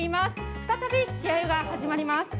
再び試合が始まります。